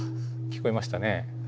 聞こえましたね。